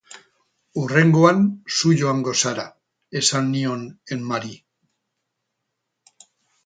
Hurrengoan zu joango zara, esan nion Emmari.